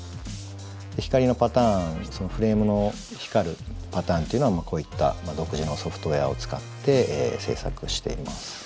光のパターンフレームの光るパターンっていうのはこういった独自のソフトウエアを使って制作しています。